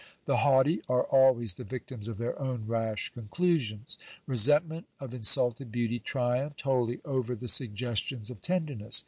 The haughty are always the victims of their own rash conclusions. Resentment of insulted beauty triumphed wholly over the sugges ti )ns of tenderness.